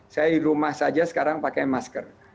saya di rumah saja sekarang pakai masker